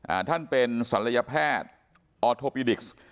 อ่าท่านเป็นสันลยแพทย์ออร์โทปีดิกซ์